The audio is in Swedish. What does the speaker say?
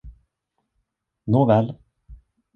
Nåväl!